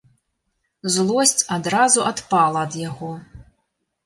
Злосць адразу адпала ад яго.